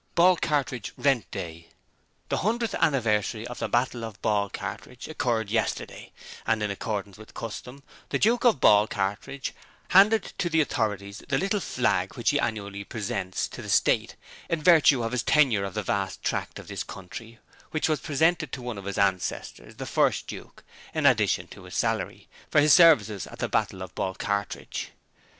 'Ballcartridge Rent Day. 'The hundredth anniversary of the Battle of Ballcartridge occurred yesterday and in accordance with custom the Duke of Ballcartridge handed to the authorities the little flag which he annually presents to the State in virtue of his tenure of the vast tract of this country which was presented to one of his ancestors the first Duke in addition to his salary, for his services at the battle of Ballcartridge.